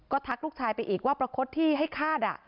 ทักลูกชายไปอีกว่าประคดที่ให้คาด